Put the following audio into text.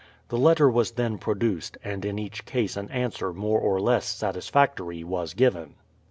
The letter was then produced, and in each case an answer more or less satisfactory was given.